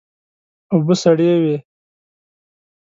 اوبه سړې وې.